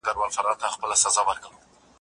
زه هره ورځ انځورونه رسم کوم.